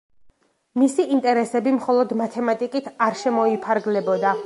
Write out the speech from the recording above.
მისი ინტერესები მხოლოდ მათემატიკით არ შემოიფარგლებოდა.